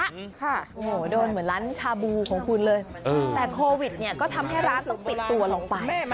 โอ้โหโดนเหมือนร้านชาบูของคุณเลยแต่โควิดเนี่ยก็ทำให้ร้านเราปิดตัวลงไป